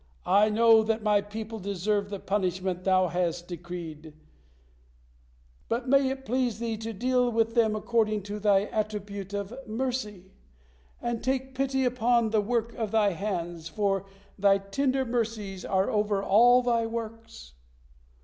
I know that my people deserve the punishment Thou has decreed, but may it please Thee to deal with them according to Thy attribute of mercy, and take pity upon the work of Thy hands, for Thy tender mercies are over all Thy works!"